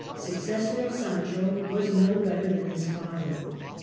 successor of Sancho, was no better Ferdinami than his father.